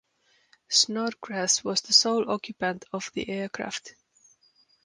Snodgrass was the sole occupant of the aircraft.